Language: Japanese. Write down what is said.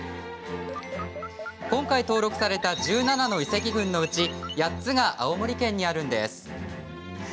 今回登録された１７の遺跡群のうち８つが青森県にあるんです。